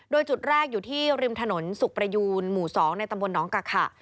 โดยจุดแรกอยู่ที่ริมถนนสุขประยูนหมู่๒ในตำบลน้องกะขะ